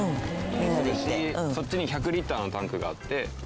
そっちに１００リッターのタンクがあって。